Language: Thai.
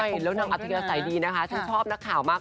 ใช่แล้วนางอาธิกาใส่ดีนะคะฉันชอบนักข่าวมาก